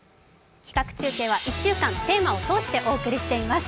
企画中継は１週間テーマを通してお送りしています。